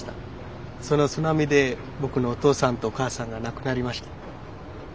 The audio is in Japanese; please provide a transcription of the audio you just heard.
その津波で僕のお父さんとお母さんが亡くなりました。